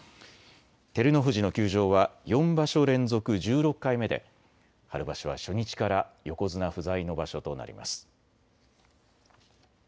照ノ富士の休場は４場所連続１６回目で春場所は初日から横綱不在の場所となります。